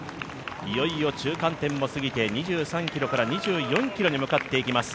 いよいよ中間点も過ぎて２３ｋｍから２４ｋｍに向かっていきます。